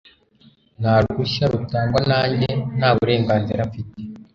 nta ruhushya rutangwa nanjye ntaburenganzira mfite